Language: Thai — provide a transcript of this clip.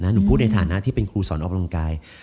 หนูพูดในฐานะที่เป็นครูสอนออกกำลังกาย